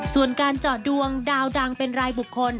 ส่วนการเจาะดวงดาวดังเป็นรายบุคคล